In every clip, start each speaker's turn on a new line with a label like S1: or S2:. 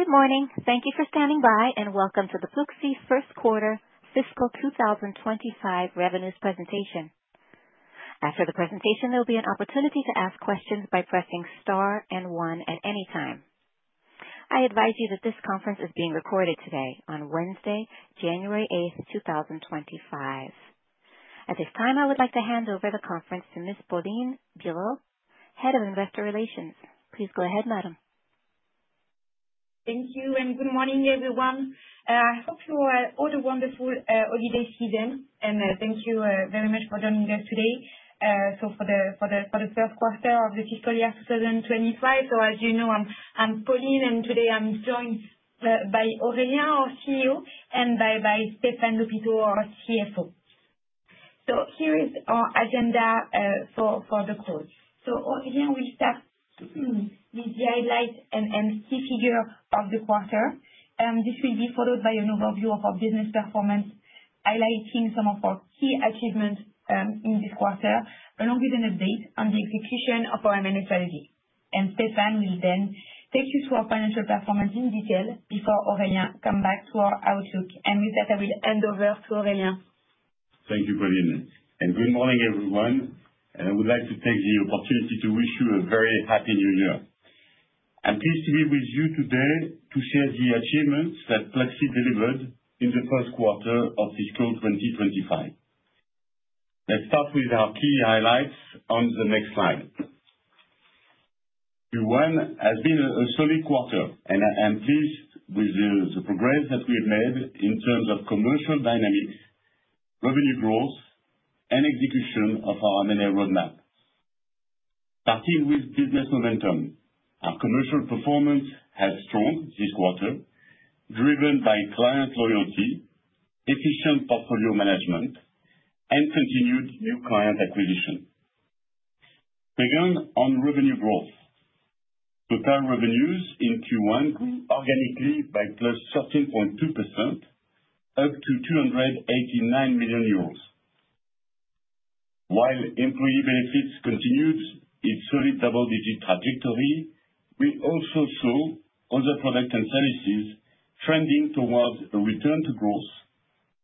S1: Good morning. Thank you for standing by and welcome to the Pluxee First Quarter Fiscal 2025 Revenues Presentation. After the presentation, there will be an opportunity to ask questions by pressing star and one at any time. I advise you that this conference is being recorded today on Wednesday, January 8th, 2025. At this time, I would like to hand over the conference to Ms. Pauline Bireaud, Head of Investor Relations. Please go ahead, Madame.
S2: Thank you and good morning, everyone. I hope you all have a wonderful holiday season, and thank you very much for joining us today for the first quarter of the fiscal year 2025. So, as you know, I'm Pauline, and today I'm joined by Aurélien, our CEO, and by Stéphane Lhopiteau, our CFO. So here is our agenda for the call. So here we start with the highlights and key figures of the quarter. This will be followed by an overview of our business performance, highlighting some of our key achievements in this quarter, along with an update on the execution of our M&A strategy. And Stéphane will then take you through our financial performance in detail before Aurélien comes back to our outlook. And with that, I will hand over to Aurélien.
S3: Thank you, Pauline. And good morning, everyone. And I would like to take the opportunity to wish you a very happy New Year. I'm pleased to be with you today to share the achievements that Pluxee delivered in the first quarter of fiscal 2025. Let's start with our key highlights on the next slide. Q1 has been a solid quarter, and I'm pleased with the progress that we have made in terms of commercial dynamics, revenue growth, and execution of our M&A roadmap. Starting with business momentum, our commercial performance has strong this quarter, driven by client loyalty, efficient portfolio management, and continued new client acquisition. Begin on revenue growth. Total revenues in Q1 grew organically by +13.2%, up to €289 million. While employee benefits continued its solid double-digit trajectory, we also saw other products and services trending toward a return to growth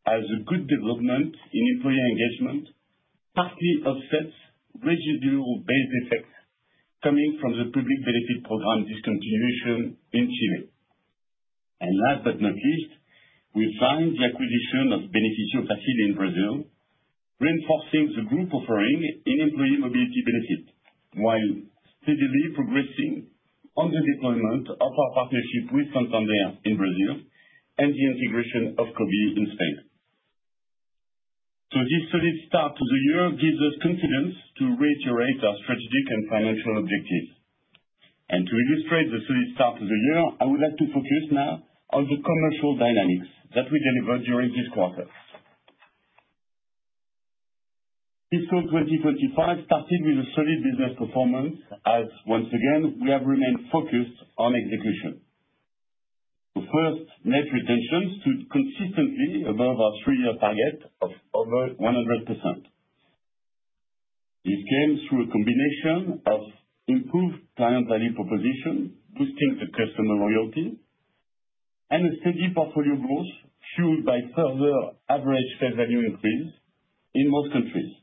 S3: as a good development in employee engagement, partly offsets residual base effects coming from the public benefit program discontinuation in Chile. And last but not least, we signed the acquisition of Benefício Fácil in Brazil, reinforcing the group offering in employee mobility benefits, while steadily progressing on the deployment of our partnership with Santander in Brazil and the integration of Cobee in Spain. So this solid start to the year gives us confidence to reiterate our strategic and financial objectives. And to illustrate the solid start to the year, I would like to focus now on the commercial dynamics that we delivered during this quarter. Fiscal 2025 started with a solid business performance as, once again, we have remained focused on execution. The first net retention stood consistently above our three-year target of over 100%. This came through a combination of improved client value proposition, boosting the customer loyalty, and a steady portfolio growth fueled by further average face value increase in most countries.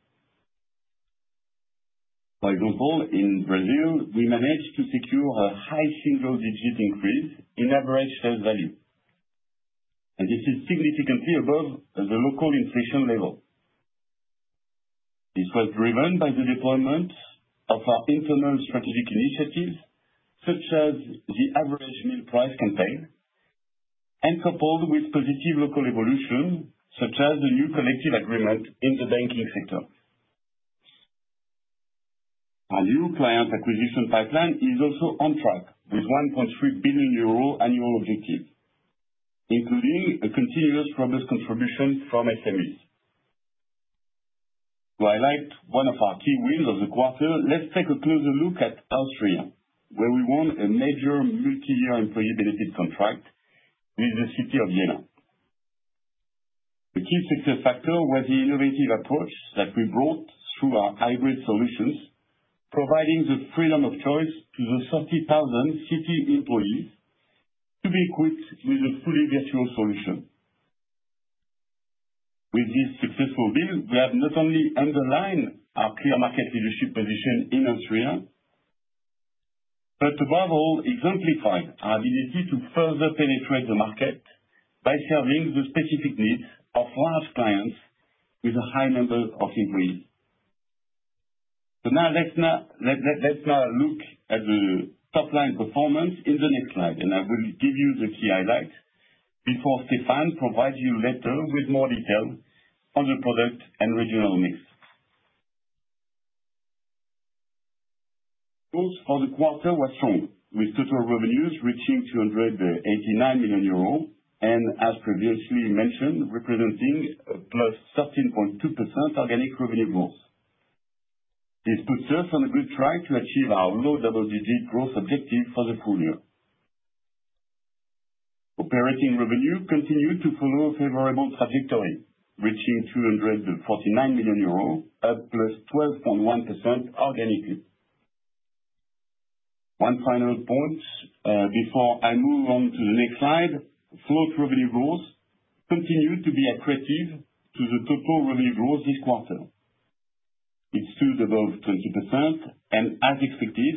S3: For example, in Brazil, we managed to secure a high single-digit increase in average face value, and this is significantly above the local inflation level. This was driven by the deployment of our internal strategic initiatives, such as the average meal price campaign, and coupled with positive local evolution, such as the new collective agreement in the banking sector. Our new client acquisition pipeline is also on track with 1.3 billion euro annual objective, including a continuous progress contribution from SMEs. To highlight one of our key wins of the quarter, let's take a closer look at Austria, where we won a major multi-year employee benefit contract with the City of Vienna. The key success factor was the innovative approach that we brought through our hybrid solutions, providing the freedom of choice to the 30,000 city employees to be equipped with a fully virtual solution. With this successful deal, we have not only underlined our clear market leadership position in Austria, but above all, exemplified our ability to further penetrate the market by serving the specific needs of large clients with a high number of employees. So now let's look at the top-line performance in the next slide, and I will give you the key highlights before Stéphane provides you later with more detail on the product and regional mix. Growth for the quarter was strong, with total revenues reaching 289 million euros, and as previously mentioned, representing a + 13.2% organic revenue growth. This puts us on a good track to achieve our low double-digit growth objective for the full year. Operating revenue continued to follow a favorable trajectory, reaching 249 million euros, a +12.1% organically. One final point before I move on to the next slide: float revenue growth continued to be accretive to the total revenue growth this quarter. It stood above 20%, and as expected,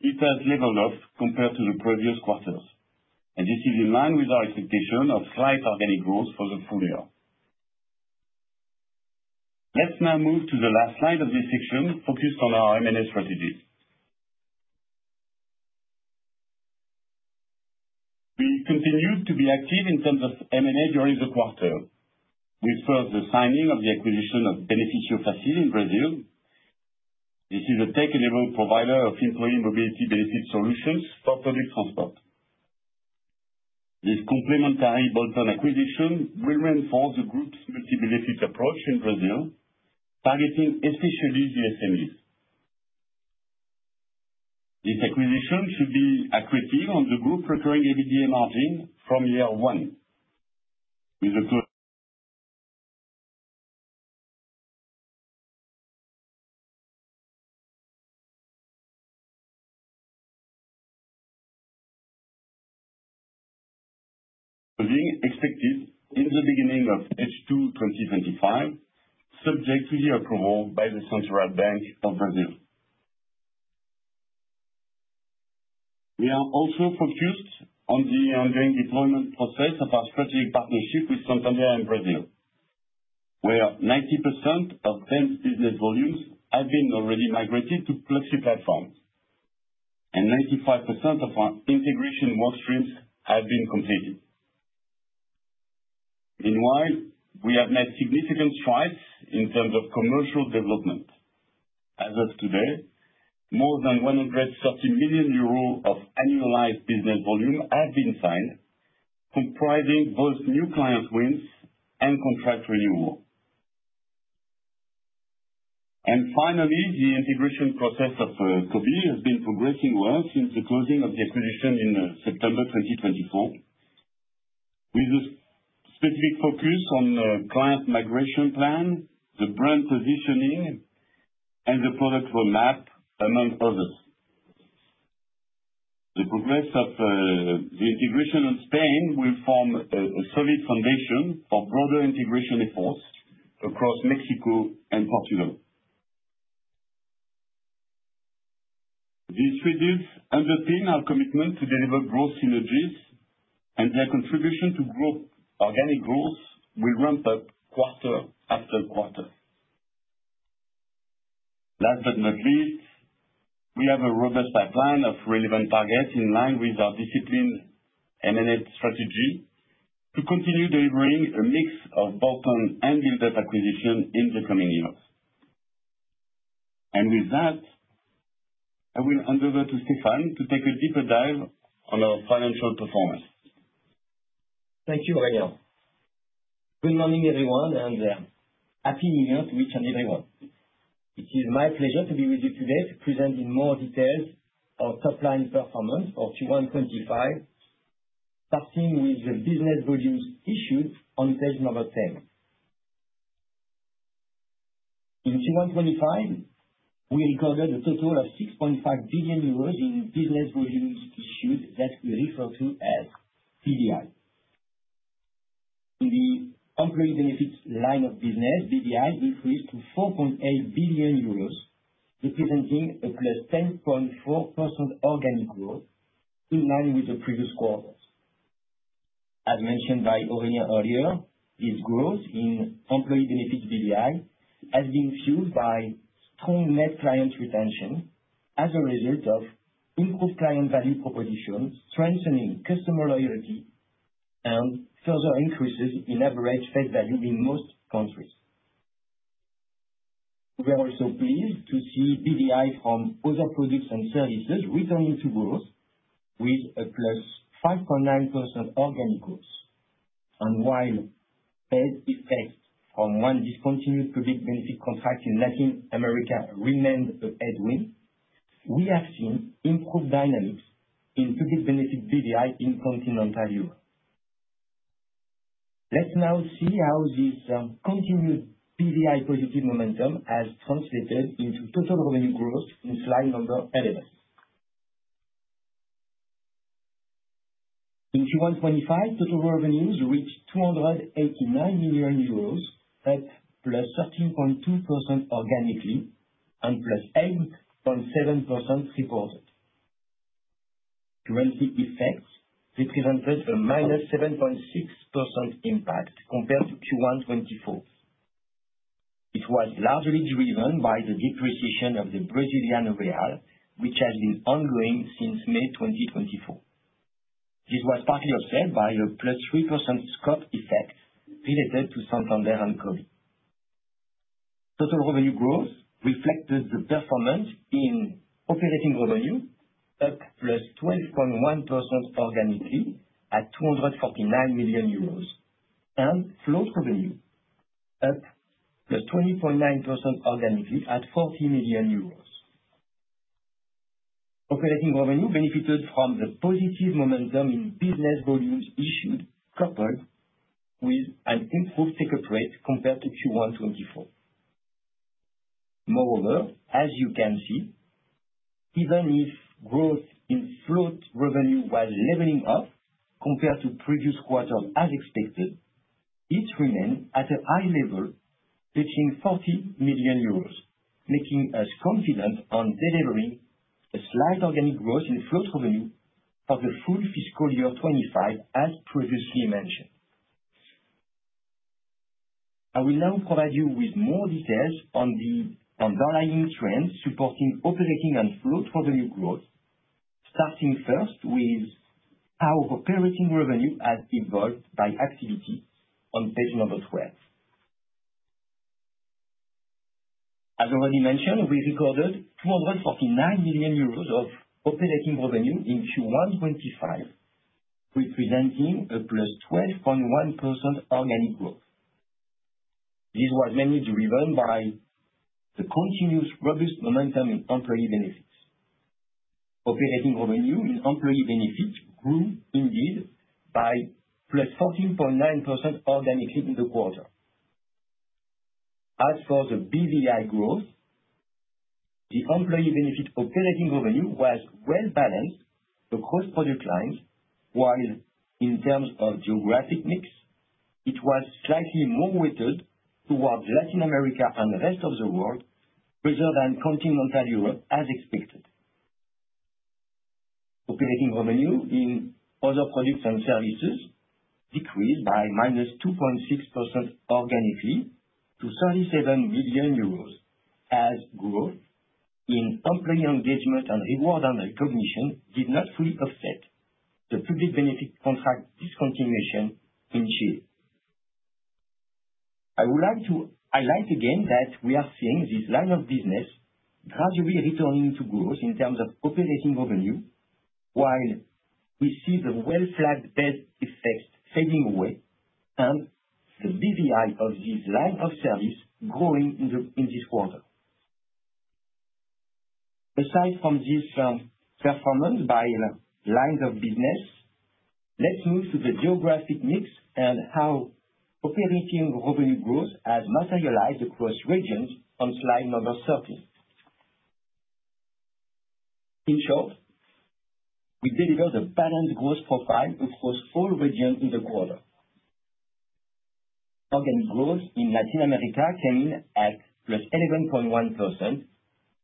S3: it has leveled off compared to the previous quarters. This is in line with our expectation of slight organic growth for the full year. Let's now move to the last slide of this section, focused on our M&A strategies. We continued to be active in terms of M&A during the quarter, with first the signing of the acquisition of Benefício Fácil in Brazil. This is a tech-enabled provider of employee mobility benefit solutions for public transport. This complementary bolt-on acquisition will reinforce the group's multi-benefit approach in Brazil, targeting especially the SMEs. This acquisition should be accretive on the group's recurring EBITDA margin from year one. Closing expected in the beginning of H2 2025, subject to the approval by the Central Bank of Brazil. We are also focused on the ongoing deployment process of our strategic partnership with Santander in Brazil, where 90% of Santander business volumes have been already migrated to Pluxee platforms, and 95% of our integration workstreams have been completed. Meanwhile, we have made significant strides in terms of commercial development. As of today, more than € 130 million of annualized business volume have been signed, comprising both new client wins and contract renewal. And finally, the integration process of Cobee has been progressing well since the closing of the acquisition in September 2024, with a specific focus on the client migration plan, the brand positioning, and the product roadmap, among others. The progress of the integration in Spain will form a solid foundation for broader integration efforts across Mexico and Portugal. These figures underpin our commitment to deliver growth synergies, and their contribution to organic growth will ramp up quarter after quarter. Last but not least, we have a robust pipeline of relevant targets in line with our disciplined M&A strategy to continue delivering a mix of bolt-on and build-up acquisition in the coming years. With that, I will hand over to Stéphane to take a deeper dive on our financial performance.
S4: Thank you, Aurélien. Good morning, everyone, and happy New Year to each and everyone. It is my pleasure to be with you today to present in more detail our top-line performance for Q1 2025, starting with the business volumes issued on page number 10. In Q1 2025, we recorded a total of €6.5 billion in business volumes issued that we refer to as BVI. In the employee benefits line of business, BVI increased to €4.8 billion, representing a +10.4% organic growth in line with the previous quarter. As mentioned by Aurélien earlier, this growth in employee benefits BVI has been fueled by strong net client retention as a result of improved client value proposition, strengthening customer loyalty, and further increases in average face value in most countries. We are also pleased to see BVI from other products and services returning to growth with a +5.9% organic growth. And while base effects from one discontinued public benefit contract in Latin America remained a headwind, we have seen improved dynamics in public benefit BDI in continental Europe. Let's now see how this continued BDI positive momentum has translated into total revenue growth in slide number 11. In Q1 2025, total revenues reached €289 million, up +13.2% organically and +8.7% reported. Currency effects represented a minus 7.6% impact compared to Q1 2024. It was largely driven by the depreciation of the Brazilian real, which has been ongoing since May 2024. This was partly offset by a plus 3% scope effect related to Santander and Cobee. Total revenue growth reflected the performance in operating revenue, up +12.1% organically at €249 million, and float revenue, up +20.9% organically at €40 million. Operating revenue benefited from the positive momentum in business volumes issued, coupled with an improved take-up rate compared to Q1 2024. Moreover, as you can see, even if growth in float revenue was leveling off compared to previous quarters as expected, it remained at a high level, reaching €40 million, making us confident on delivering a slight organic growth in float revenue for the full fiscal year 2025, as previously mentioned. I will now provide you with more details on the underlying trends supporting operating and float revenue growth, starting first with how operating revenue has evolved by activity on page number 12. As already mentioned, we recorded €249 million of operating revenue in Q1 2025, representing a +12.1% organic growth. This was mainly driven by the continuous robust momentum in employee benefits. Operating revenue in employee benefits grew indeed by +4.9% organically in the quarter. As for the BDI growth, the employee benefit operating revenue was well balanced across product lines, while in terms of geographic mix, it was slightly more weighted towards Latin America and the rest of the world, rather than continental Europe, as expected. Operating revenue in other products and services decreased by minus 2.6% organically to €37 million as growth in employee engagement and reward and recognition did not fully offset the public benefit contract discontinuation in Chile. I would like to highlight again that we are seeing this line of business gradually returning to growth in terms of operating revenue, while we see the well-flagged bad effects fading away and the BDI of this line of service growing in this quarter. Aside from this performance by lines of business, let's move to the geographic mix and how operating revenue growth has materialized across regions on slide number 13. In short, we delivered a balanced growth profile across all regions in the quarter. Organic growth in Latin America came in at +11.1%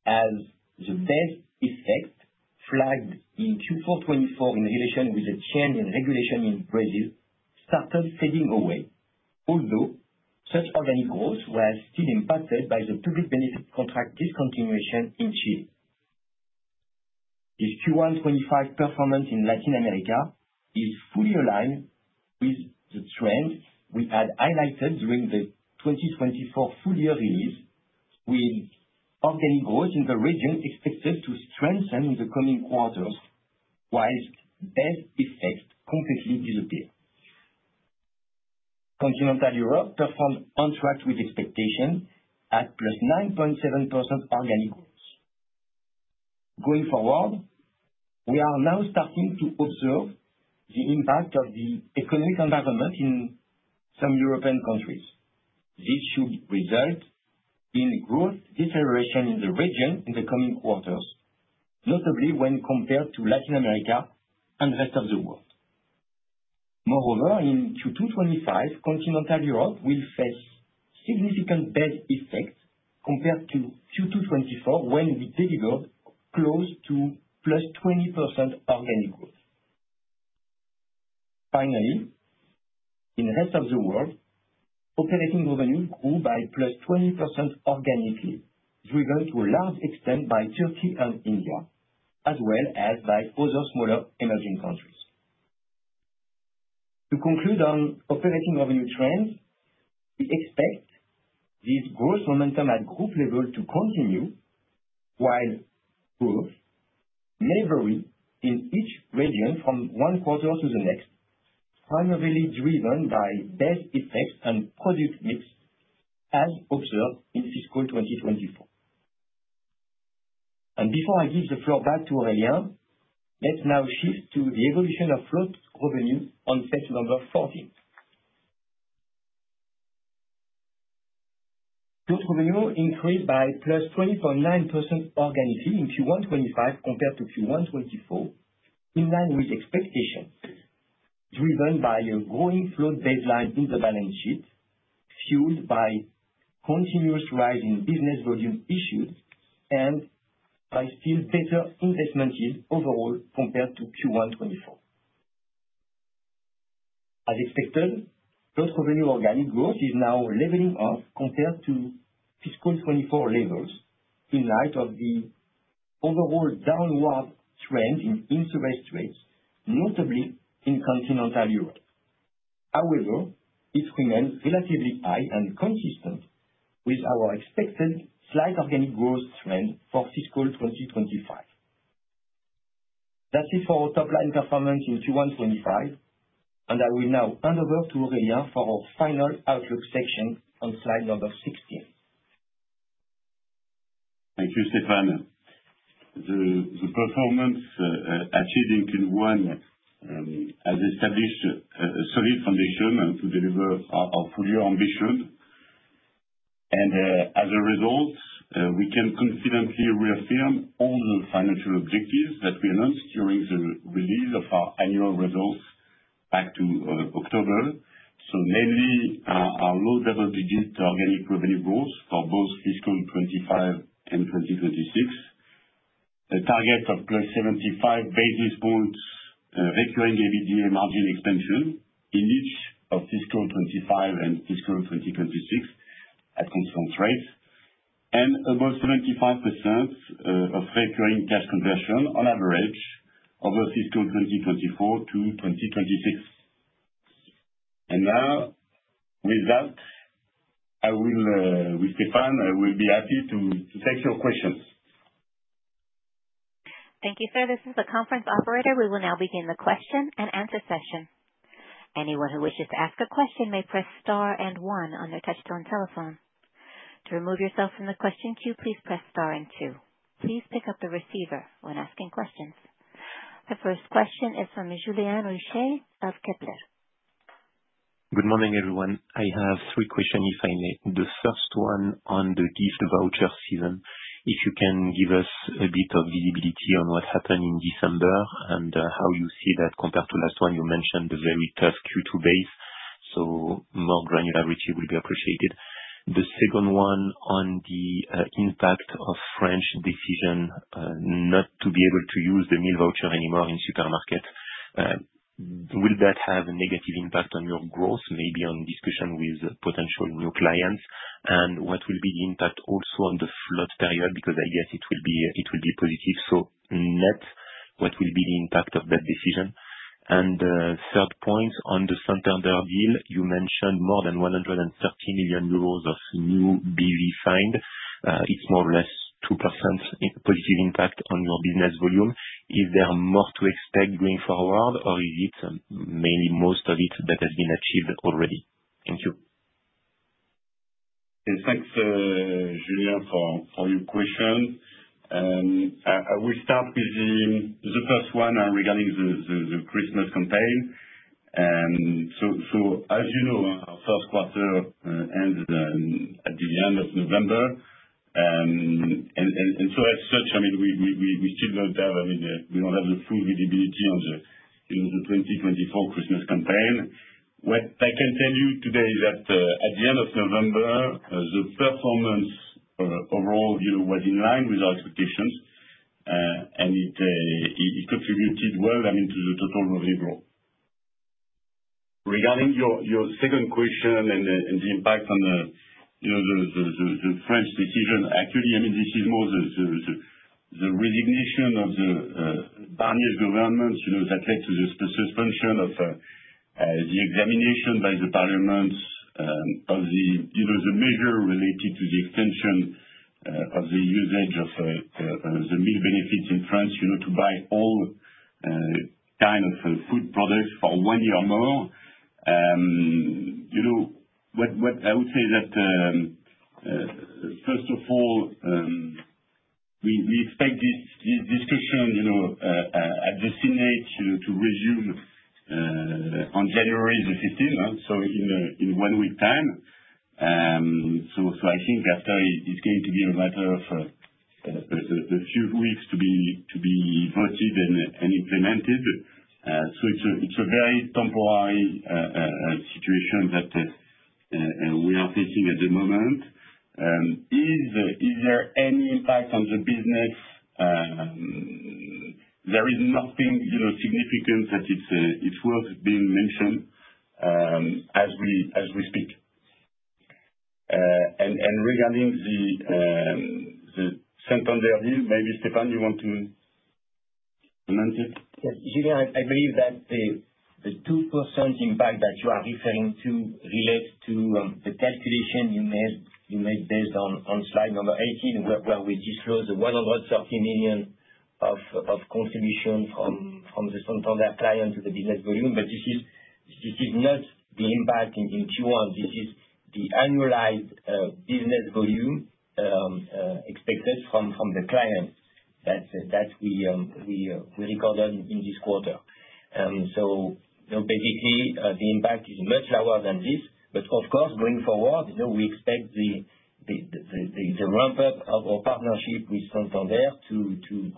S4: as the lag effect flagged in Q4 2024 in relation with the change in regulation in Brazil started fading away, although such organic growth was still impacted by the public benefit contract discontinuation in Chile. This Q1 2025 performance in Latin America is fully aligned with the trends we had highlighted during the 2024 full-year release, with organic growth in the regions expected to strengthen in the coming quarters, while lag effects completely disappeared. Continental Europe performed on track with expectations at +9.7% organic growth. Going forward, we are now starting to observe the impact of the economic environment in some European countries. This should result in growth deceleration in the region in the coming quarters, notably when compared to Latin America and the rest of the world. Moreover, in Q2 2025, continental Europe will face significant base effects compared to Q2 2024, when we delivered close to +20% organic growth. Finally, in the rest of the world, operating revenue grew by +20% organically, driven to a large extent by Turkey and India, as well as by other smaller emerging countries. To conclude on operating revenue trends, we expect this growth momentum at group level to continue, while growth may vary in each region from one quarter to the next, primarily driven by base effects and product mix, as observed in fiscal 2024. And before I give the floor back to Aurélien, let's now shift to the evolution of float revenue on page number 14. Float revenue increased by +20.9% organically in Q1 2025 compared to Q1 2024, in line with expectations, driven by a growing float baseline in the balance sheet, fueled by continuous rise in business volume issued and by still better investment yield overall compared to Q1 2024. As expected, float revenue organic growth is now leveling off compared to fiscal 2024 levels in light of the overall downward trend in interest rates, notably in continental Europe. However, it remains relatively high and consistent with our expected slight organic growth trend for fiscal 2025. That's it for our top-line performance in Q1 2025, and I will now hand over to Aurélien for our final outlook section on slide number 16.
S3: Thank you, Stéphane. The performance achieved in Q1 has established a solid foundation to deliver our full-year ambition. And as a result, we can confidently reaffirm all the financial objectives that we announced during the release of our annual results back to October. So mainly our low double-digit organic revenue growth for both fiscal 2025 and 2026, a target of +75 basis points Recurring EBITDA margin expansion in each of fiscal 2025 and fiscal 2026 at constant rates, and above 75% of recurring cash conversion on average over fiscal 2024 to 2026. And now, with that, Stéphane, I will be happy to take your questions.
S1: Thank you, sir. This is the conference operator. We will now begin the question and answer session. Anyone who wishes to ask a question may press star and one on their touch-tone telephone. To remove yourself from the question queue, please press star and two. Please pick up the receiver when asking questions. The first question is from Julien Richer of Kepler.
S5: Good morning, everyone. I have three questions, if I may. The first one on the gift voucher season, if you can give us a bit of visibility on what happened in December and how you see that compared to last one? You mentioned the very tough Q2 base, so more granularity will be appreciated. The second one on the impact of French decision not to be able to use the meal voucher anymore in supermarkets. Will that have a negative impact on your growth, maybe on discussion with potential new clients? And what will be the impact also on the float period? Because I guess it will be positive. So net, what will be the impact of that decision? And third point, on the Santander deal, you mentioned more than 130 million euros of new BV in. It's more or less 2% positive impact on your business volume. Is there more to expect going forward, or is it mainly most of it that has been achieved already? Thank you.
S3: Thanks, Julien, for your question. I will start with the first one regarding the Christmas campaign. So as you know, our first quarter ends at the end of November. And so as such, I mean, we still don't have the full visibility on the 2024 Christmas campaign. What I can tell you today is that at the end of November, the performance overall was in line with our expectations, and it contributed well, I mean, to the total revenue growth. Regarding your second question and the impact on the French decision, actually, I mean, this is more the resignation of the Barnier government that led to the suspension of the examination by the Parliament of the measure related to the extension of the usage of the meal benefits in France to buy all kinds of food products for one year more. What I would say is that, first of all, we expect this discussion at the Senate to resume on January 15, so in one week's time, so I think, after, it's going to be a matter of a few weeks to be voted and implemented, so it's a very temporary situation that we are facing at the moment. Is there any impact on the business? There is nothing significant that's worth being mentioned as we speak, and regarding the Santander deal, maybe, Stéphane, you want to comment it?
S4: Yes. Julien, I believe that the 2% impact that you are referring to relates to the calculation you made based on slide number 18, where we disclosed the 130 million of contribution from the Santander client to the business volume. But this is not the impact in Q1. This is the annualized business volume expected from the client that we recorded in this quarter. So basically, the impact is much lower than this. But of course, going forward, we expect the ramp-up of our partnership with Santander to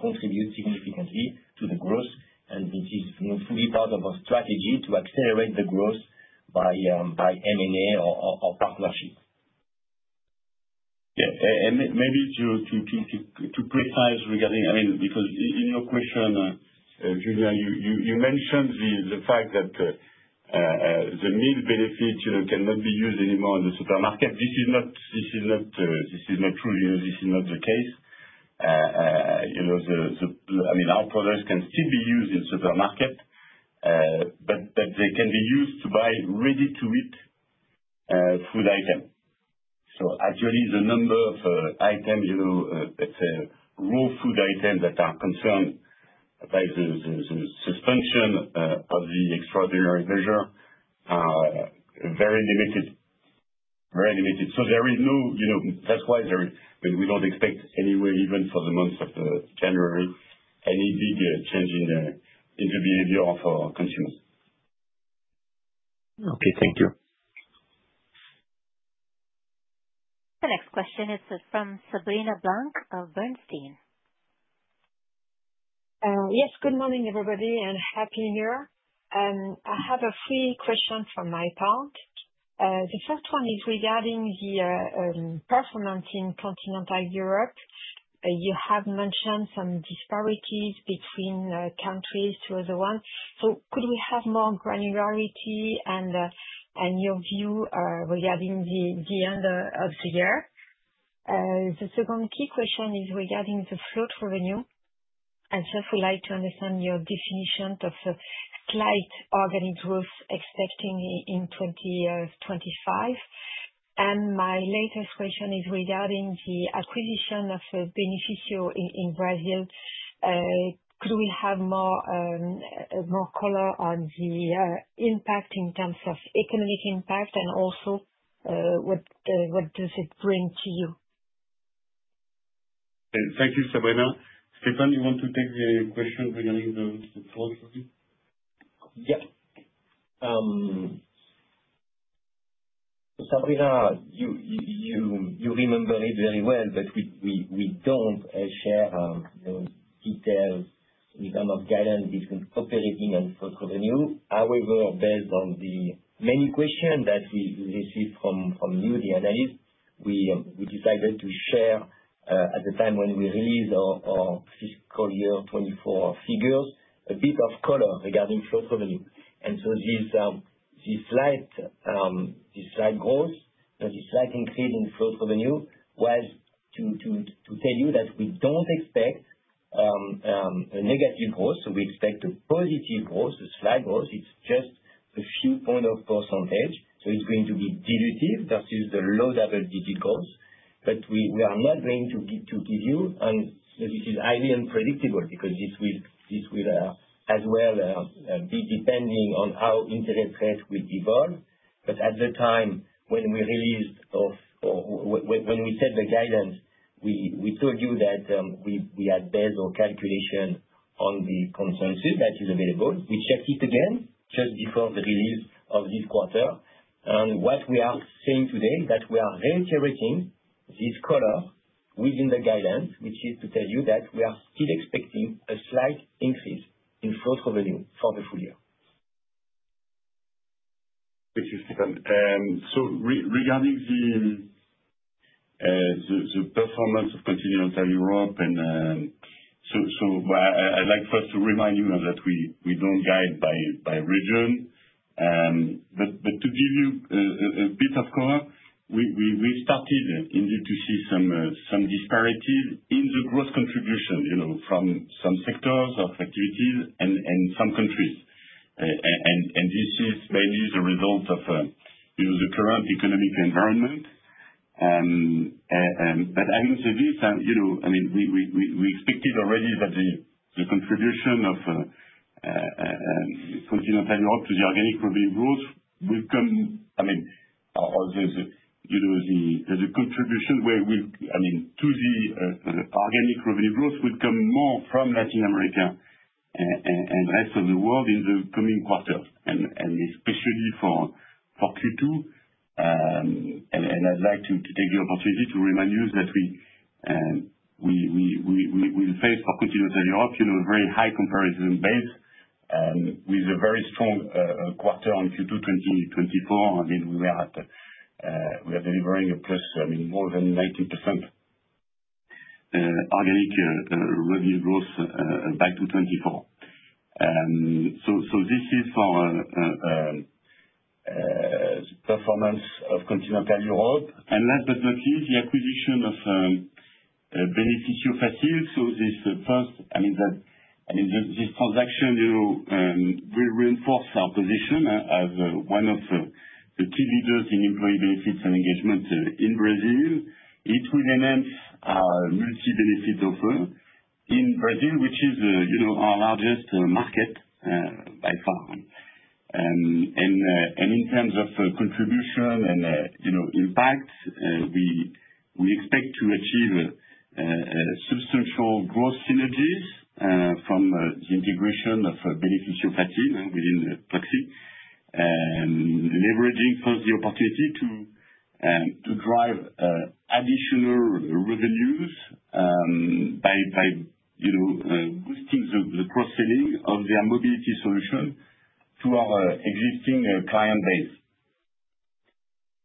S4: contribute significantly to the growth. And this is fully part of our strategy to accelerate the growth by M&A or partnership.
S3: Yeah. And maybe to be precise regarding, I mean, because in your question, Julien, you mentioned the fact that the meal benefits cannot be used anymore in the supermarket. This is not true. This is not the case. I mean, our products can still be used in supermarkets, but they can be used to buy ready-to-eat food items. So actually, the number of items, let's say, raw food items that are concerned by the suspension of the extraordinary measure are very limited. Very limited. So there is no. That's why we don't expect anywhere, even for the month of January, any big change in the behavior of our consumers.
S5: Okay. Thank you.
S1: The next question, it's from Sabrina Blanc of Bernstein.
S6: Yes. Good morning, everybody, and happy New Year. I have a few questions for my part. The first one is regarding the performance in continental Europe. You have mentioned some disparities between countries to other ones. So could we have more granularity and your view regarding the end of the year? The second key question is regarding the float revenue. I just would like to understand your definition of slight organic growth expected in 2025. And my latest question is regarding the acquisition of Benefício Fácil in Brazil. Could we have more color on the impact in terms of economic impact and also what does it bring to you?
S3: Thank you, Sabrina. Stéphane, you want to take the question regarding the float revenue?
S4: Yeah. Sabrina, you remember it very well, but we don't share details in terms of guidance between operating and float revenue. However, based on the many questions that we received from you, the analysts, we decided to share, at the time when we released our fiscal year 2024 figures, a bit of color regarding float revenue. And so this slight growth, this slight increase in float revenue, was to tell you that we don't expect a negative growth. So we expect a positive growth, a slight growth. It's just a few percentage points. So it's going to be dilutive versus the low double-digit growth. But we are not going to give you and this is highly unpredictable because this will as well be depending on how interest rates will evolve. But at the time when we released or when we set the guidance, we told you that we had based our calculation on the consensus that is available. We checked it again just before the release of this quarter, and what we are saying today is that we are still expecting a slight increase in float revenue for the full year.
S3: Thank you, Stéphane. So regarding the performance of continental Europe, so I'd like first to remind you that we don't guide by region. But to give you a bit of color, we started indeed to see some disparities in the gross contribution from some sectors of activities and some countries. And this is mainly the result of the current economic environment. But having said this, I mean, we expected already that the contribution of continental Europe to the organic revenue growth will come, I mean, or the contribution to the organic revenue growth will come more from Latin America and the rest of the world in the coming quarters, and especially for Q2. And I'd like to take the opportunity to remind you that we will face, for continental Europe, a very high comparison base with a very strong quarter on Q2 2024. I mean, we are delivering a plus, I mean, more than 19% organic revenue growth back to 2024. So this is for the performance of continental Europe. And last but not least, the acquisition of Benefício Fácil. So this first, I mean, this transaction will reinforce our position as one of the key leaders in employee benefits and engagement in Brazil. It will enhance our multi-benefit offer in Brazil, which is our largest market by far. And in terms of contribution and impact, we expect to achieve substantial growth synergies from the integration of Benefício Fácil within Pluxee, leveraging first the opportunity to drive additional revenues by boosting the cross-selling of their mobility solution to our existing client base.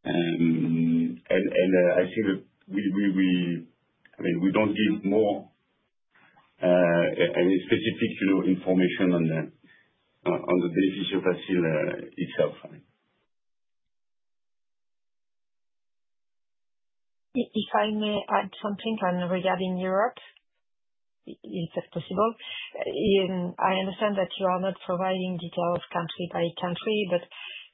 S3: And I think that we don't give more specific information on the Benefício Fácil itself.
S6: If I may add something regarding Europe, if it's possible. I understand that you are not providing details country by country, but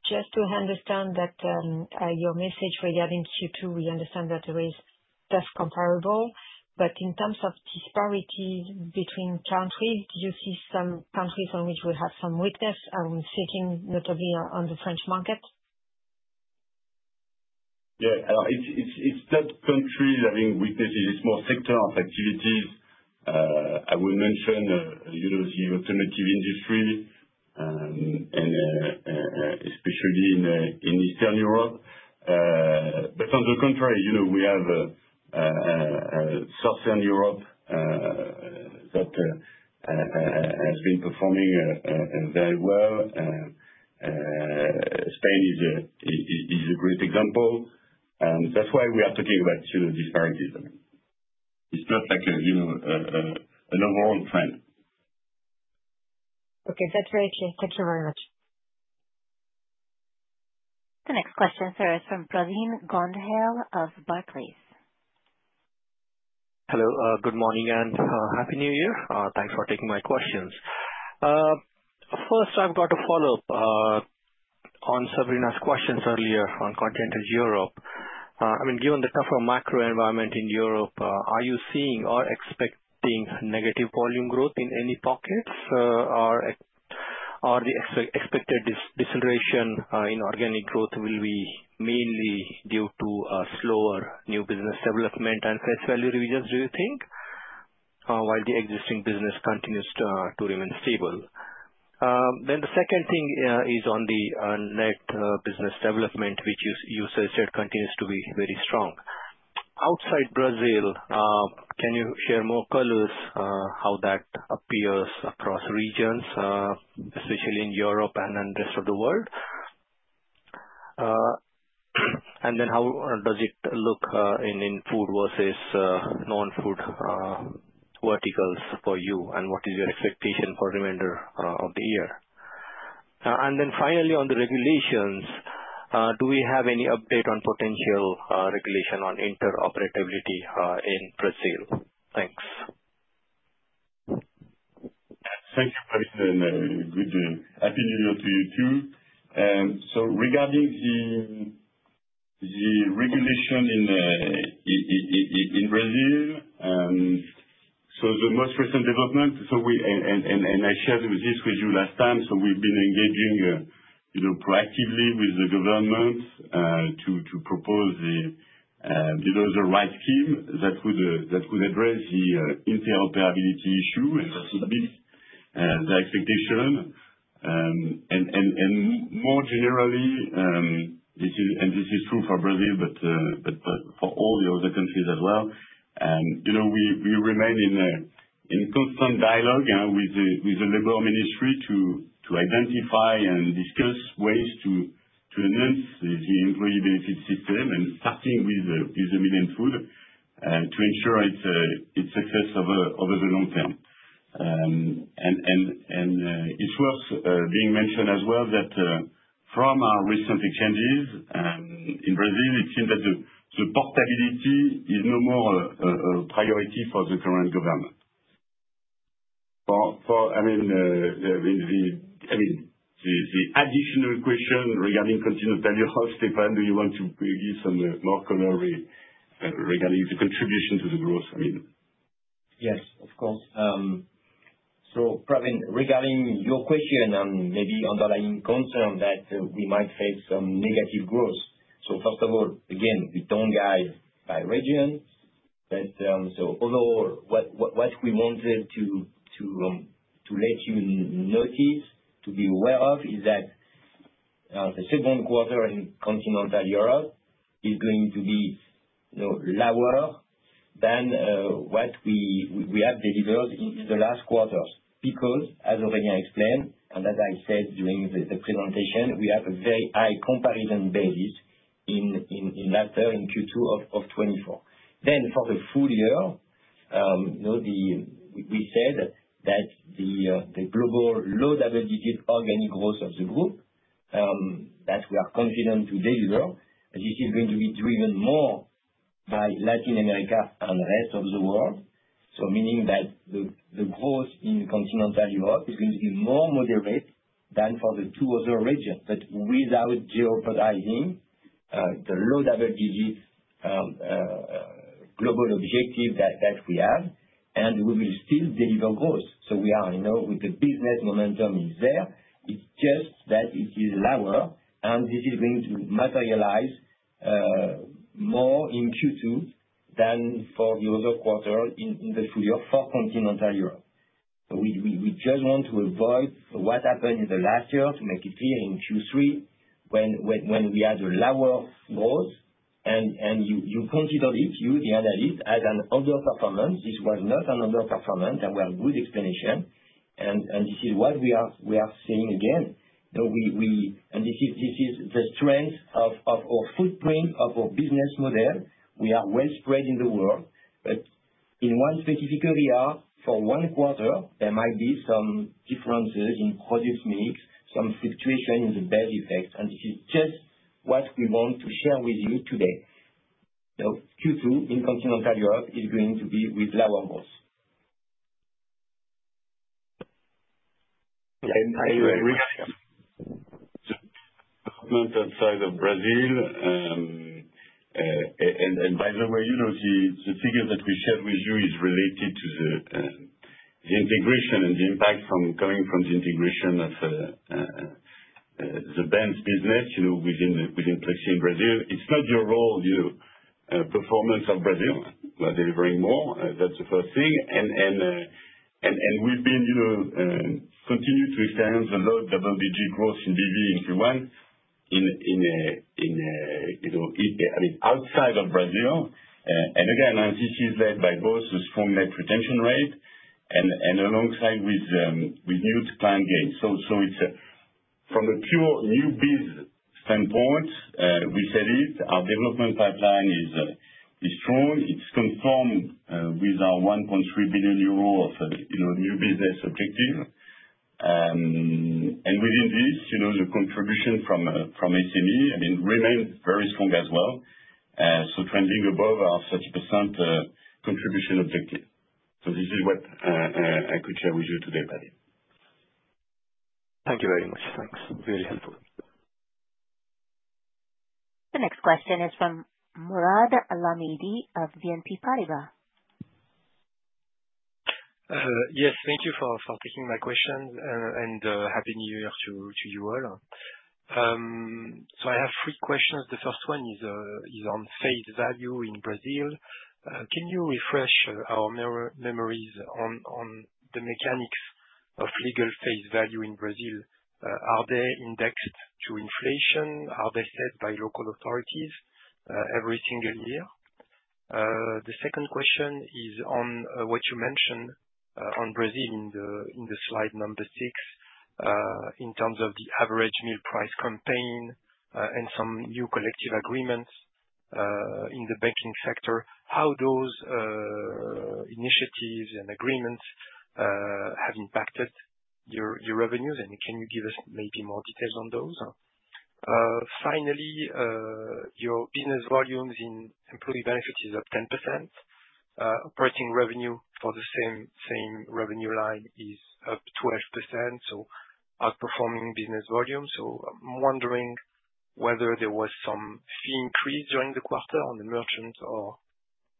S6: just to understand that your message regarding Q2, we understand that there is tough comparables. But in terms of disparities between countries, do you see some countries on which we have some weakness? I'm thinking notably on the French market.
S3: Yeah. It's not countries having weaknesses. It's more sectors of activities. I will mention the automotive industry, and especially in Eastern Europe. But on the contrary, we have Southern Europe that has been performing very well. Spain is a great example. And that's why we are talking about disparities. It's not like an overall trend.
S6: Okay. That's very clear. Thank you very much.
S1: The next question, sir, is from Basile Gondoli of Barclays.
S7: Hello. Good morning and happy New Year. Thanks for taking my questions. First, I've got a follow-up on Sabrina's questions earlier on continental Europe. I mean, given the tougher macro environment in Europe, are you seeing or expecting negative volume growth in any pockets? Or the expected deceleration in organic growth will be mainly due to slower new business development and face value revisions, do you think, while the existing business continues to remain stable? Then the second thing is on the new business development, which you said continues to be very strong. Outside Brazil, can you share more color on how that appears across regions, especially in Europe and the rest of the world? And then how does it look in food versus non-food verticals for you? And what is your expectation for the remainder of the year? And then finally, on the regulations, do we have any update on potential regulation on interoperability in Brazil? Thanks.
S3: Thank you, President. Good. Happy New Year to you too, so regarding the regulation in Brazil, so the most recent development, and I shared this with you last time, so we've been engaging proactively with the government to propose the right scheme that would address the interoperability issue, and that would meet the expectation. And more generally, and this is true for Brazil, but for all the other countries as well, we remain in constant dialogue with the Labor Ministry to identify and discuss ways to enhance the employee benefit system, and starting with the meal and food, to ensure its success over the long term, and it's worth being mentioned as well that from our recent exchanges in Brazil, it seems that the portability is no more a priority for the current government. I mean, the additional question regarding Continental Europe, Stéphane, do you want to give some more color regarding the contribution to the growth? I mean.
S4: Yes, of course. So regarding your question and maybe underlying concern that we might face some negative growth. So first of all, again, we don't guide by region. So overall, what we wanted to let you notice, to be aware of, is that the second quarter in continental Europe is going to be lower than what we have delivered in the last quarters because, as Aurélien explained, and as I said during the presentation, we have a very high comparison basis in Q2 of 2024. Then for the full year, we said that the global low double-digit organic growth of the group that we are confident to deliver, this is going to be driven more by Latin America and the rest of the world. So meaning that the growth in Continental Europe is going to be more moderate than for the two other regions, but without jeopardizing the low double-digit global objective that we have. And we will still deliver growth. So we are with the business momentum is there. It's just that it is lower, and this is going to materialize more in Q2 than for the other quarter in the full year for Continental Europe. So we just want to avoid what happened in the last year, to make it clear in Q3 when we had a lower growth. And you considered it, you, the analyst, as an underperformance. This was not an underperformance. There were good explanations. And this is what we are seeing again. And this is the strength of our footprint, of our business model. We are well spread in the world. But in one specific area, for one quarter, there might be some differences in product mix, some fluctuation in the base effect. And this is just what we want to share with you today. So Q2 in Continental Europe is going to be with lower growth.
S3: Regarding the development outside of Brazil, and by the way, the figure that we shared with you is related to the integration and the impact coming from the integration of the Benefício Fácil business within Pluxee in Brazil. It's not the core performance of Brazil. We are delivering more. That's the first thing. And we've been continuing to experience a low double-digit growth in BV in Q1 in, I mean, outside of Brazil. And again, this is led by both a strong net retention rate and alongside with new client gains. So from a pure new biz standpoint, we said it, our development pipeline is strong. It's conformed with our 1.3 billion euro of new business objective. And within this, the contribution from SME, I mean, remains very strong as well. So trending above our 30% contribution objective. So this is what I could share with you today about it.
S7: Thank you very much. Thanks. Very helpful.
S1: The next question is from Mourad Lahmidi of BNP Paribas.
S8: Yes, thank you for taking my questions. And happy New Year to you all. So I have three questions. The first one is on face value in Brazil. Can you refresh our memories on the mechanics of legal face value in Brazil? Are they indexed to inflation? Are they set by local authorities every single year? The second question is on what you mentioned on Brazil in the slide number six in terms of the average meal price campaign and some new collective agreements in the banking sector. How those initiatives and agreements have impacted your revenues? And can you give us maybe more details on those? Finally, your business volumes in employee benefits is up 10%. Operating revenue for the same revenue line is up 12%. So outperforming business volume. So I'm wondering whether there was some fee increase during the quarter on the merchants or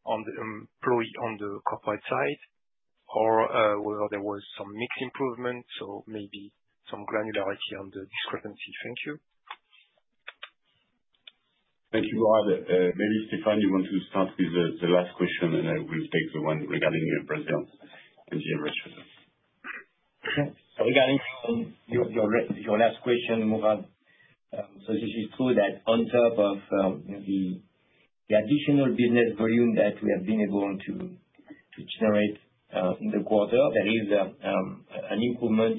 S8: on the corporate side, or whether there was some mix improvement, so maybe some granularity on the discrepancy. Thank you.
S3: Thank you, Mourad. Maybe, Stéphane, you want to start with the last question, and I will take the one regarding Brazil and the average revenue.
S4: Regarding your last question, Mourad, so this is true that on top of the additional business volume that we have been able to generate in the quarter, there is an improvement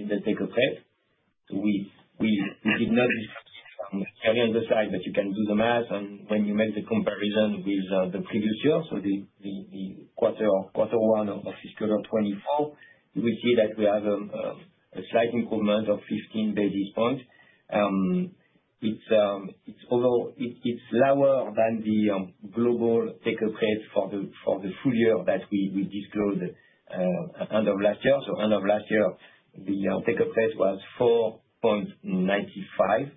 S4: in the take-up rate. So we did not discuss it on the other side, but you can do the math. And when you make the comparison with the previous year, so the quarter one of fiscal year 2024, you will see that we have a slight improvement of 15 basis points. It's lower than the global take-up rate for the full year that we disclosed at the end of last year. So end of last year, the take-up rate was 4.95%.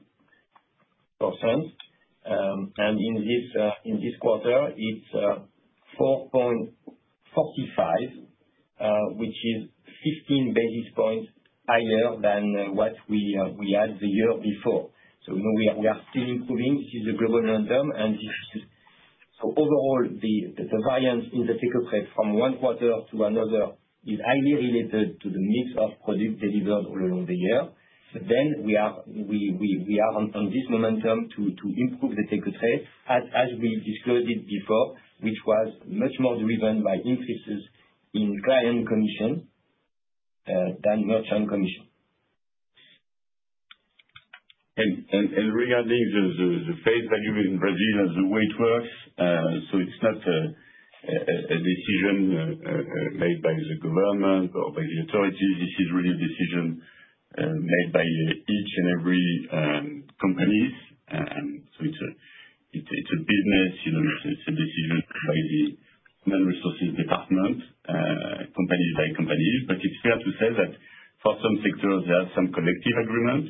S4: And in this quarter, it's 4.45%, which is 15 basis points higher than what we had the year before. So we are still improving. This is the global long-term. Overall, the variance in the take-up rate from one quarter to another is highly related to the mix of products delivered all along the year. We are on this momentum to improve the take-up rate, as we disclosed it before, which was much more driven by increases in client commissions than merchant commissions. Regarding the face value in Brazil and the way it works, it's not a decision made by the government or by the authorities. This is really a decision made by each and every company. It's a business. It's a decision by the human resources department, company by company. It's fair to say that for some sectors, there are some collective agreements.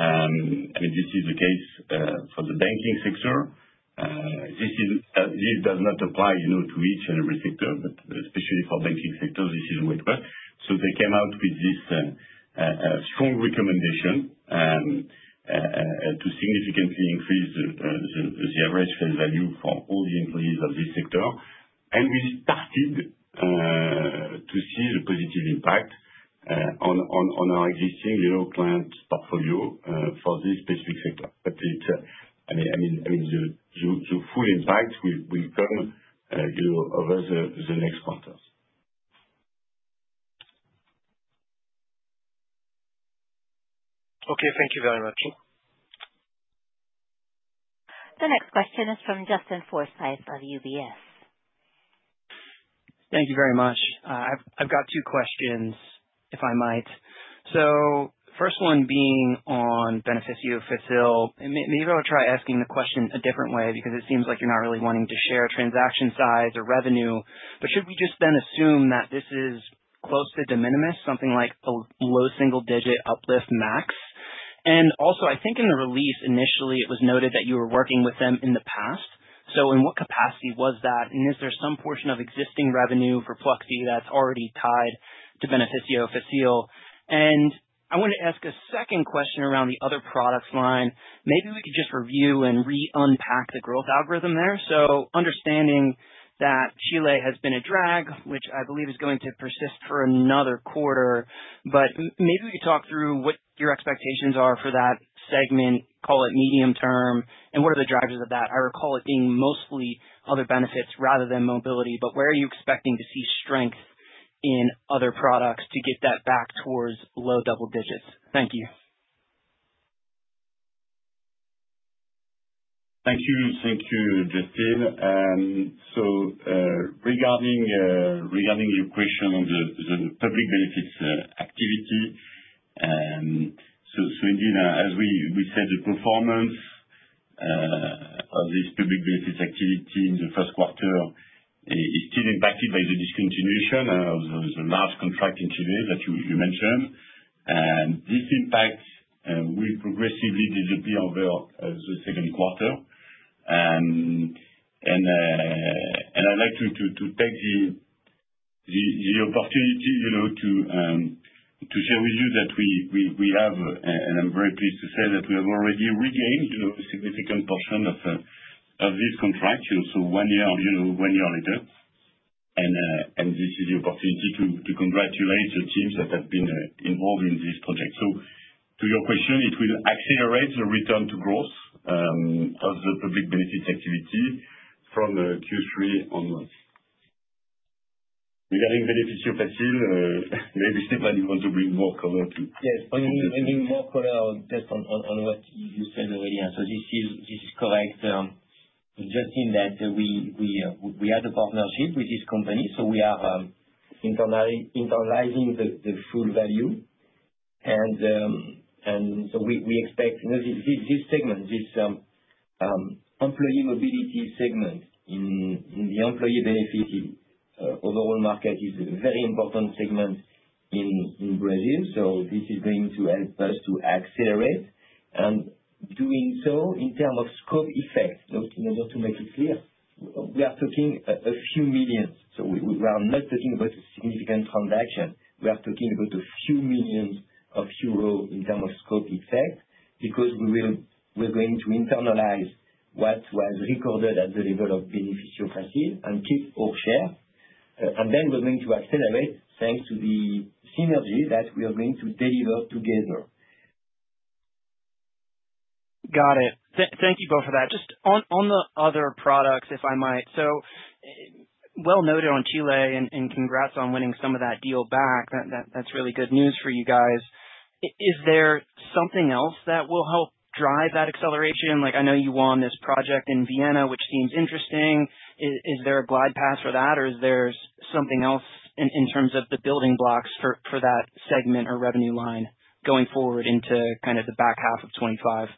S4: I mean, this is the case for the banking sector. This does not apply to each and every sector, but especially for banking sectors, this is the way it works. They came out with this strong recommendation to significantly increase the average face value for all the employees of this sector. We started to see the positive impact on our existing client portfolio for this specific sector. I mean, the full impact will come over the next quarters.
S8: Okay. Thank you very much.
S1: The next question is from Justin Forsythe of UBS.
S9: Thank you very much. I've got two questions, if I might. So first one being on Benefício Fácil. Maybe I'll try asking the question a different way because it seems like you're not really wanting to share transaction size or revenue. But should we just then assume that this is close to de minimis, something like a low single-digit uplift max? And also, I think in the release initially, it was noted that you were working with them in the past. So in what capacity was that? And is there some portion of existing revenue for Pluxee that's already tied to Benefício Fácil? And I want to ask a second question around the other products line. Maybe we could just review and re-unpack the growth algorithm there. So understanding that Chile has been a drag, which I believe is going to persist for another quarter, but maybe we could talk through what your expectations are for that segment, call it medium term, and what are the drivers of that? I recall it being mostly other benefits rather than mobility. But where are you expecting to see strength in other products to get that back towards low double digits? Thank you.
S3: Thank you. Thank you, Justin. So regarding your question on the public benefits activity, so indeed, as we said, the performance of this public benefits activity in the first quarter is still impacted by the discontinuation of the large contract in Chile that you mentioned. And this impact will progressively disappear over the second quarter. And I'd like to take the opportunity to share with you that we have, and I'm very pleased to say that we have already regained a significant portion of this contract, so one year later. And this is the opportunity to congratulate the teams that have been involved in this project. So to your question, it will accelerate the return to growth of the public benefits activity from Q3 onwards. Regarding benefits you fulfill, maybe Stéphane wants to bring more color to.
S4: Yes. Maybe more color just on what you said already. So this is correct. Just in that we had a partnership with this company. So we are internalizing the full value. And so we expect this segment, this employee mobility segment in the employee benefit overall market is a very important segment in Brazil. So this is going to help us to accelerate. And doing so in terms of scope effect, just to make it clear, we are talking a few millions. So we are not talking about a significant transaction. We are talking about a few millions of euros in terms of scope effect because we're going to internalize what was recorded at the level of Benefício Fácil. And then we're going to accelerate thanks to the synergy that we are going to deliver together.
S9: Got it. Thank you both for that. Just on the other products, if I might. So well noted on Chile, and congrats on winning some of that deal back. That's really good news for you guys. Is there something else that will help drive that acceleration? I know you won this project in Vienna, which seems interesting. Is there a glide path for that, or is there something else in terms of the building blocks for that segment or revenue line going forward into kind of the back half of 2025?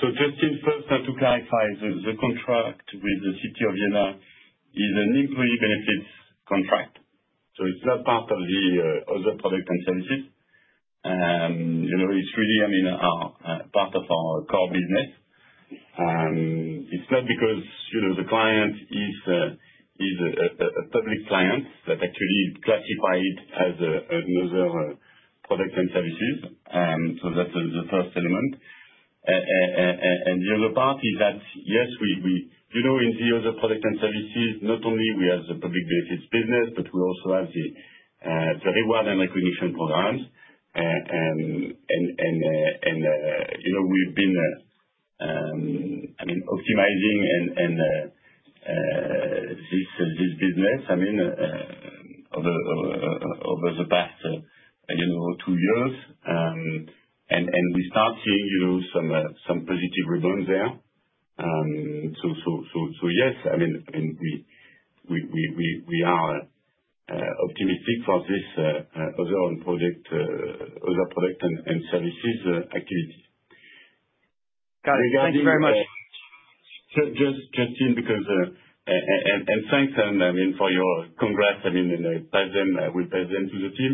S3: So Justin, first, I have to clarify the contract with the City of Vienna is an employee benefits contract. So it's not part of the other product and services. It's really, I mean, part of our core business. It's not because the client is a public client that actually classified as another product and services. So that's the first element. And the other part is that, yes, in the other product and services, not only we have the public benefits business, but we also have the reward and recognition programs. And we've been, I mean, optimizing this business, I mean, over the past two years. And we start seeing some positive rebounds there. So yes, I mean, we are optimistic for this other product and services activity.
S9: Got it. Thank you very much.
S3: Justin, because and thanks, and I mean, for your congrats, I mean, and we present to the team.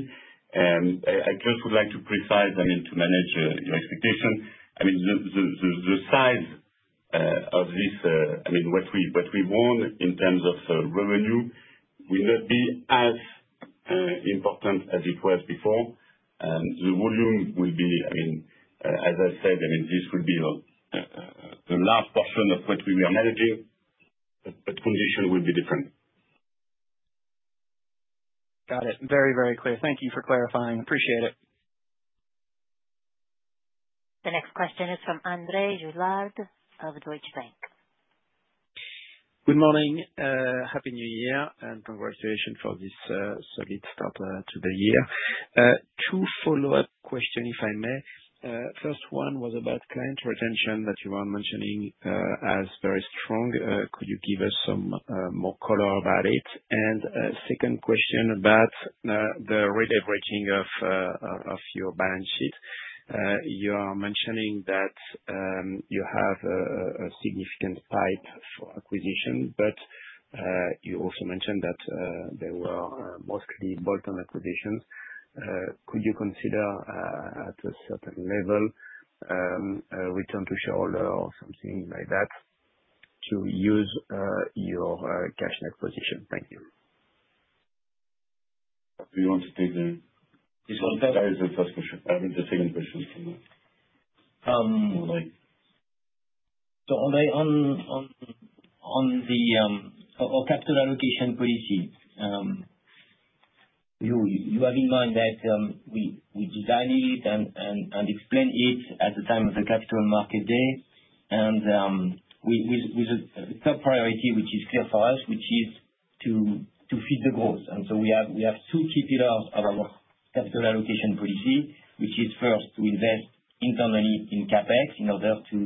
S3: I just would like to specify, I mean, to manage your expectation. I mean, the size of this, I mean, what we've won in terms of revenue will not be as important as it was before. The volume will be, I mean, as I said, I mean, this will be a large portion of what we were managing, but condition will be different.
S9: Got it. Very, very clear. Thank you for clarifying. Appreciate it.
S1: The next question is from André Juillard of Deutsche Bank.
S10: Good morning. Happy New Year and congratulations for this solid start to the year. Two follow-up questions, if I may. First one was about client retention that you are mentioning as very strong. Could you give us some more color about it? And second question about the re-leveraging of your balance sheet. You are mentioning that you have a significant pipe for acquisition, but you also mentioned that there were mostly bolt-on acquisitions. Could you consider, at a certain level, a return to shareholder or something like that to use your cash net position? Thank you.
S3: Do you want to take the second question? I have the second question from the.
S4: On the capital allocation policy, you have in mind that we design it and explain it at the time of the capital market day. With a top priority, which is clear for us, which is to feed the growth, we have two key pillars of our capital allocation policy. The first is to invest internally in CapEx in order to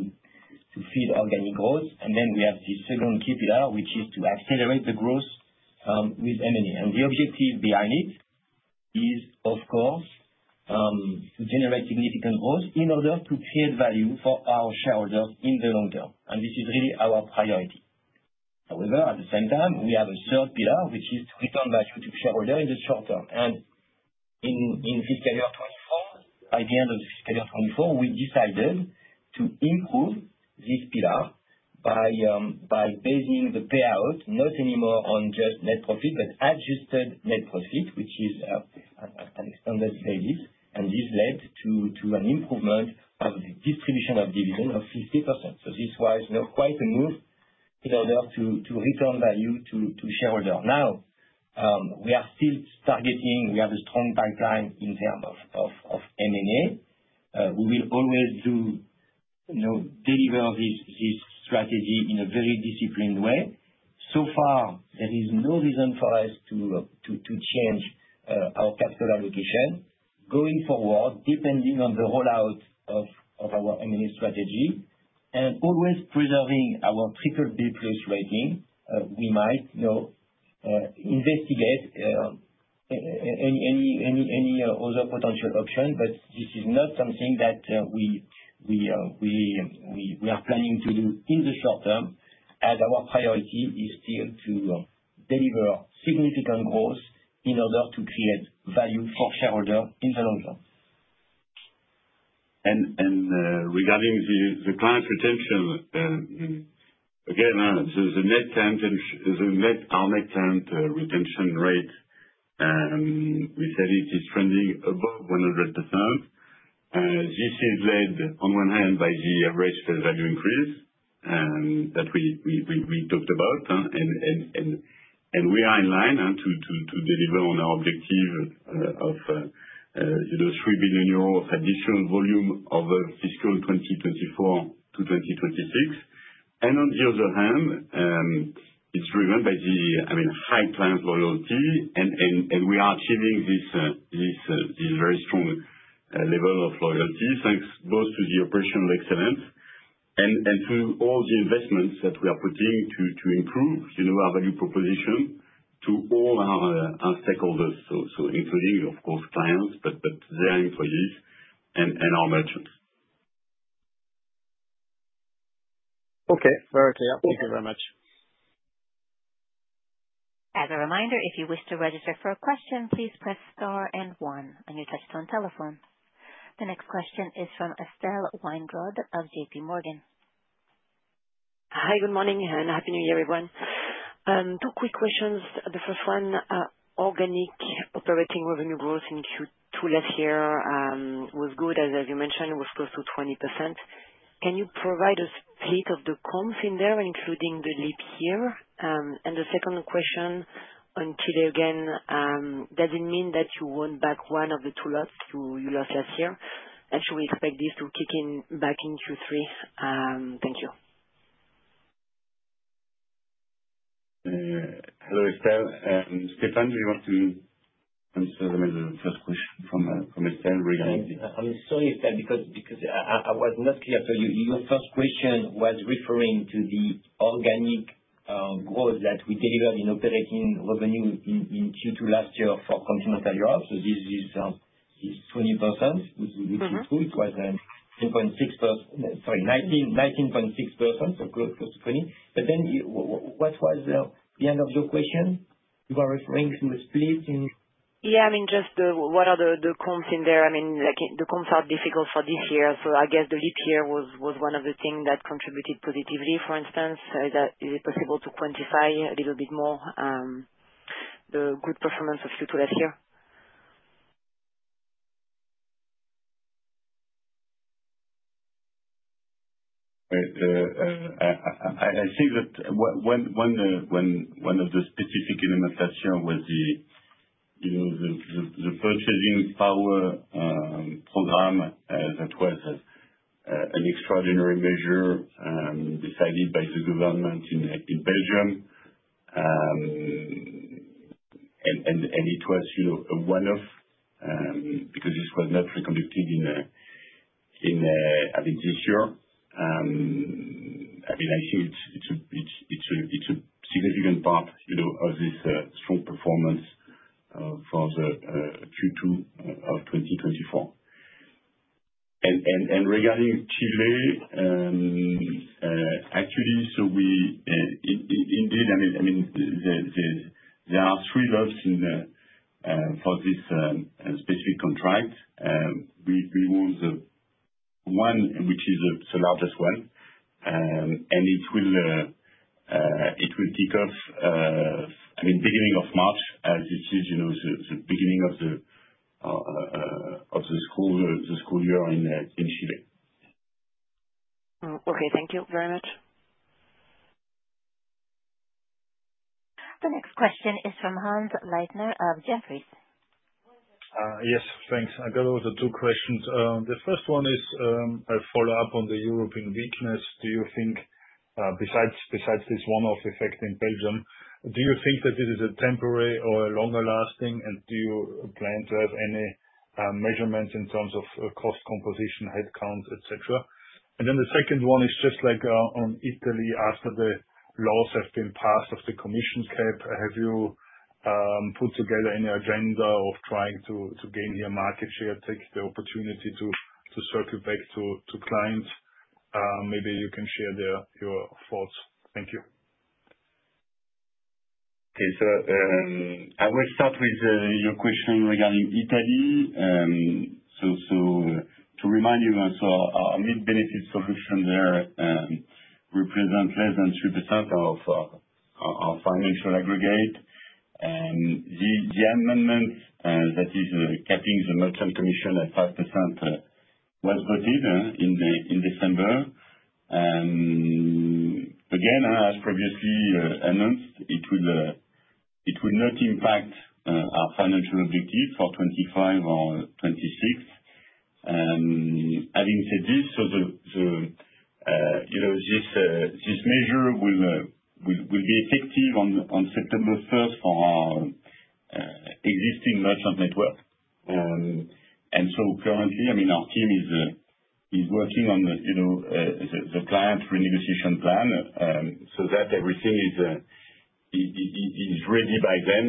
S4: feed organic growth. Then we have the second key pillar, which is to accelerate the growth with M&A. The objective behind it is, of course, to generate significant growth in order to create value for our shareholders in the long term. This is really our priority. However, at the same time, we have a third pillar, which is return value to shareholders in the short term. In fiscal year 2024, by the end of the fiscal year 2024, we decided to improve this pillar by basing the payout not anymore on just net profit, but adjusted net profit, which is an extended basis. This led to an improvement of the distribution of dividend of 50%. This was quite a move in order to return value to shareholders. Now, we are still targeting. We have a strong pipeline in terms of M&A. We will always deliver this strategy in a very disciplined way. So far, there is no reason for us to change our capital allocation. Going forward, depending on the rollout of our M&A strategy and always preserving our triple B+ rating, we might investigate any other potential option. But this is not something that we are planning to do in the short term, as our priority is still to deliver significant growth in order to create value for shareholders in the long term.
S3: And regarding the client retention, again, our net client retention rate, we said it is trending above 100%. This is led, on one hand, by the average face value increase that we talked about. And we are in line to deliver on our objective of €3 billion additional volume over fiscal 2024 to 2026. And on the other hand, it's driven by the, I mean, high client loyalty. And we are achieving this very strong level of loyalty thanks both to the operational excellence and to all the investments that we are putting to improve our value proposition to all our stakeholders, including of course clients, but their employees, and our merchants.
S10: Okay. Very clear. Thank you very much.
S1: As a reminder, if you wish to register for a question, please press star and one on your touch-tone telephone. The next question is from Estelle Weingrod of JP Morgan.
S11: Hi, good morning and happy New Year, everyone. Two quick questions. The first one, organic operating revenue growth in Q2 last year was good, as you mentioned, was close to 20%. Can you provide us a page of the comps in there, including the leap year? And the second question, on Chile again, does it mean that you won't back one of the two lots you lost last year? And should we expect this to kick in back in Q3? Thank you.
S3: Hello, Estelle. Stéphane, do you want to answer the first question from Estelle regarding this?
S4: I'm sorry, Estelle, because I was not clear. So your first question was referring to the organic growth that we delivered in operating revenue in Q2 last year for Continental Europe. So this is 20%, which is true. It was 19.6%, sorry, 19.6%, so close to 20. But then what was the end of your question? You were referring to the split.
S11: Yeah, I mean, just what are the comps in there? I mean, the comps are difficult for this year. So I guess the leap year was one of the things that contributed positively. For instance, is it possible to quantify a little bit more the good performance of Q2 last year?
S3: I think that one of the specific elements last year was the purchasing power program that was an extraordinary measure decided by the government in Belgium. And it was a one-off because this was not reconducted in, I mean, this year. I mean, I think it's a significant part of this strong performance for the Q2 of 2024. And regarding Chile, actually, so indeed, I mean, there are three lots for this specific contract. We won the one, which is the largest one. And it will kick off, I mean, beginning of March, as this is the beginning of the school year in Chile.
S11: Okay. Thank you very much.
S1: The next question is from Hannes Leitner of Jefferies.
S12: Yes, thanks. I got also two questions. The first one is a follow-up on the European weakness. Do you think, besides this one-off effect in Belgium, do you think that this is a temporary or a longer-lasting? And do you plan to have any measurements in terms of cost composition, headcount, etc.? And then the second one is just like on Italy, after the laws have been passed of the commission cap, have you put together any agenda of trying to gain here market share, take the opportunity to circle back to clients? Maybe you can share your thoughts. Thank you.
S3: Okay. So I will start with your question regarding Italy. So to remind you, our mid-benefit solution there represents less than 3% of our financial aggregate. The amendment that is capping the merchant commission at 5% was voted in December. Again, as previously announced, it will not impact our financial objective for 2025 or 2026. Having said this, so this measure will be effective on September 1st for our existing merchant network. And so currently, I mean, our team is working on the client renegotiation plan so that everything is ready by then.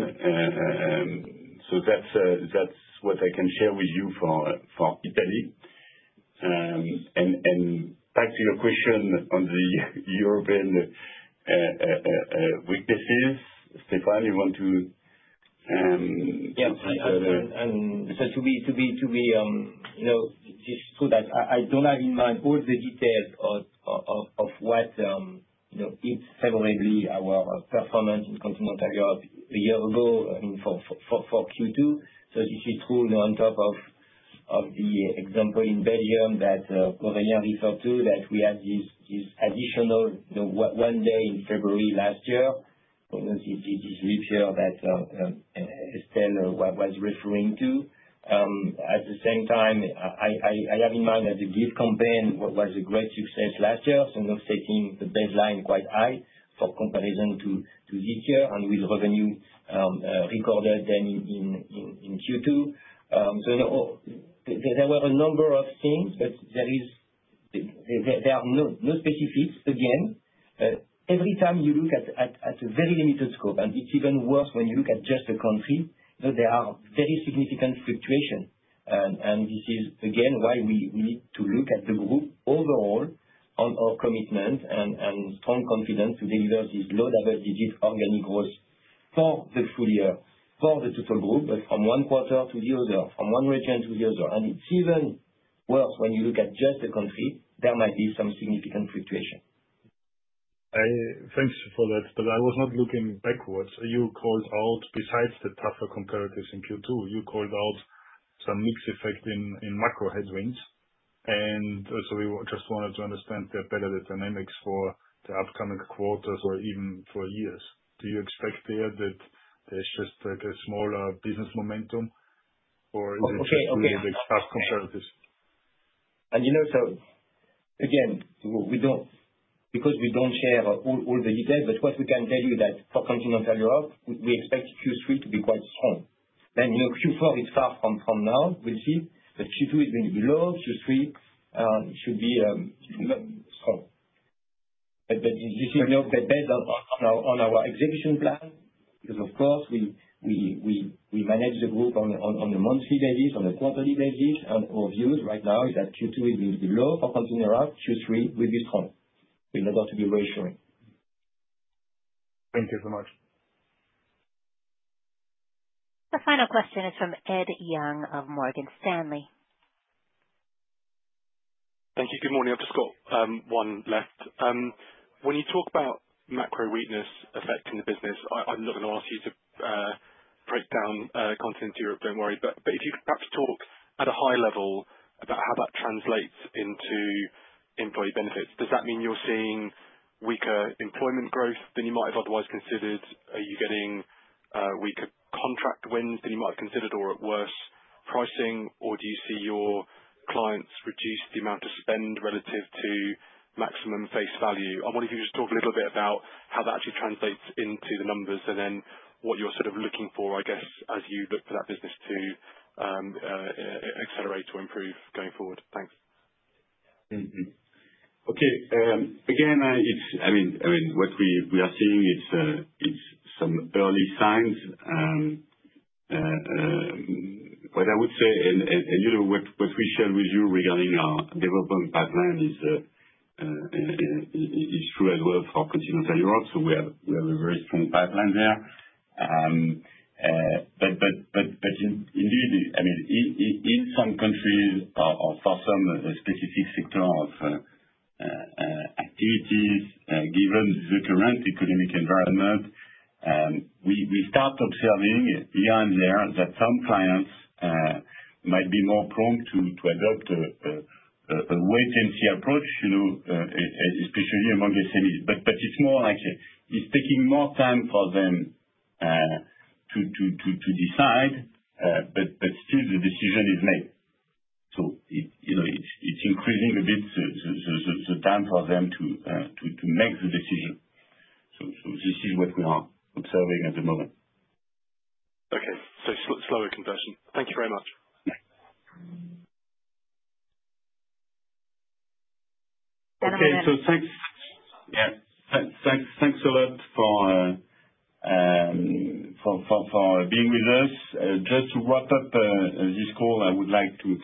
S3: So that's what I can share with you for Italy. And back to your question on the European weaknesses, Stéphane, you want to answer?
S4: Yeah. So it's true that I don't have in mind all the details of what is favorably our performance in Continental Europe a year ago for Q2. So this is true on top of the example in Belgium that Aurélien referred to, that we had this additional one day in February last year, this leap year that Estelle was referring to. At the same time, I have in mind that the gift campaign was a great success last year, so not setting the baseline quite high for comparison to this year and with revenue recorded then in Q2. So there were a number of things, but there are no specifics. Again, every time you look at a very limited scope, and it's even worse when you look at just the country, there are very significant fluctuations. And this is, again, why we need to look at the group overall on our commitment and strong confidence to deliver this low double-digit organic growth for the full year, for the total group, but from one quarter to the other, from one region to the other. And it's even worse when you look at just the country. There might be some significant fluctuation.
S12: Thanks for that. But I was not looking backwards. You called out, besides the tougher comparatives in Q2, you called out some mixed effect in macro headwinds. And so we just wanted to understand better the dynamics for the upcoming quarters or even for years. Do you expect there that there's just a smaller business momentum, or is it simply the tough comparatives?
S4: And so again, because we don't share all the details, but what we can tell you is that for Continental Europe, we expect Q3 to be quite strong. Then Q4 is far from now, we'll see. But Q2 is going to be low. Q3 should be strong. But this is based on our execution plan because, of course, we manage the group on a monthly basis, on a quarterly basis. And our views right now is that Q2 is going to be low for Continental Europe. Q3 will be strong in order to be reassuring.
S12: Thank you so much.
S1: The final question is from Ed Young of Morgan Stanley.
S13: Thank you. Good morning. I've just got one left. When you talk about macro weakness affecting the business, I'm not going to ask you to break down continental Europe, don't worry. But if you could perhaps talk at a high level about how that translates into employee benefits, does that mean you're seeing weaker employment growth than you might have otherwise considered? Are you getting weaker contract wins than you might have considered, or worse pricing? Or do you see your clients reduce the amount of spend relative to maximum face value? I wanted you to just talk a little bit about how that actually translates into the numbers and then what you're sort of looking for, I guess, as you look for that business to accelerate or improve going forward. Thanks.
S3: Okay. Again, I mean, what we are seeing is some early signs. What I would say, and what we shared with you regarding our development pipeline is true as well for Continental Europe. So we have a very strong pipeline there. But indeed, I mean, in some countries or for some specific sector of activities, given the current economic environment, we start observing here and there that some clients might be more prone to adopt a wait-and-see approach, especially among SMEs. But it's more like it's taking more time for them to decide, but still the decision is made. So it's increasing a bit the time for them to make the decision. So this is what we are observing at the moment.
S13: Okay. So slower conversion. Thank you very much.
S3: Thanks a lot for being with us. Just to wrap up this call, I would like to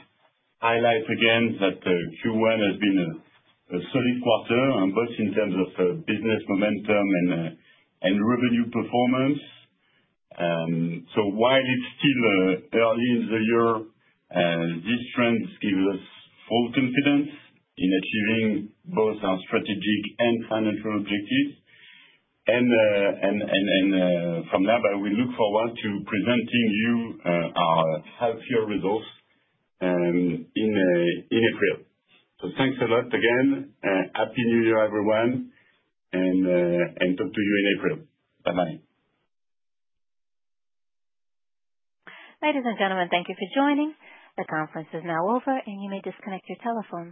S3: highlight again that Q1 has been a solid quarter, both in terms of business momentum and revenue performance. While it's still early in the year, this trend gives us full confidence in achieving both our strategic and financial objectives. From now, we look forward to presenting you our half-year results in April. Thanks a lot again. Happy New Year, everyone. Talk to you in April. Bye-bye.
S1: Ladies and gentlemen, thank you for joining. The conference is now over, and you may disconnect your telephones.